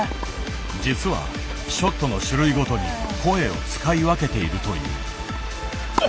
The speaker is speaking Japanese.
実はショットの種類ごとに声を使い分けているという。